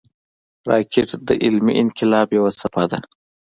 راکټ د علمي انقلاب یوه څپه ده